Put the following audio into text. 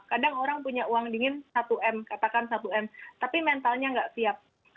kadang orang punya uang dingin satu m katakan satu m tapi mentalnya nggak siap